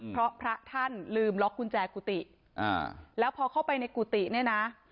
เพราะพระท่านลืมล็อกกุญแจกุฏิอ่าแล้วพอเข้าไปในกุฏิเนี่ยนะ